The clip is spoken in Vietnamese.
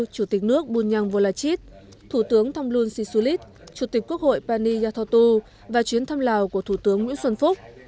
chủ tịch nước bunyang volachit thủ tướng thonglun sisulit chủ tịch quốc hội pani yathotu và chuyến thăm lào của thủ tướng nguyễn xuân phúc